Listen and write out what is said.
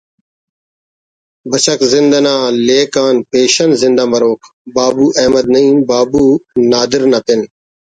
بچک زندنا لیک آن پیشن زندہ مروک آ ”بابو“ احمد نعیم بابو نادر نا پن